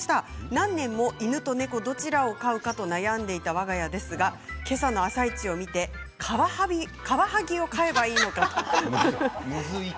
何年も犬と猫がどちらを買おうかと悩んでいたわが家ですが今朝の「あさイチ」を見てカワハギを飼えばいいんだと。